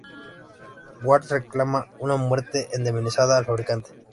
Ward reclama una fuerte indemnización al fabricante.